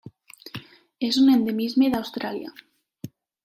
És un endemisme d'Austràlia.